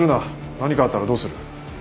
何かあったらどうする。